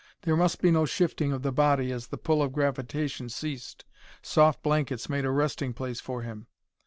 There must be no shifting of the body as the pull of gravitation ceased. Soft blankets made a resting place for him.